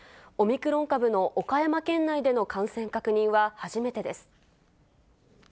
オミクロン株の岡山県内での感染確認は初めてです。